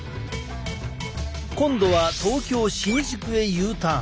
今度は東京・新宿へＵターン。